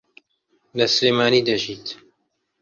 لە سلێمانی دەژیت.